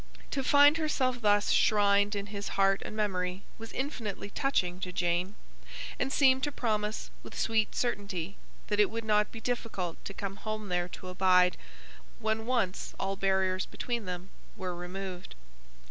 To find herself thus shrined in his heart and memory was infinitely touching to Jane; and seemed to promise, with sweet certainty, that it would not be difficult to come home there to abide, when once all barriers between them were removed.